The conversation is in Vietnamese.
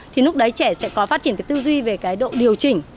thì lúc đấy trẻ sẽ có phát triển tư duy về độ điều chỉnh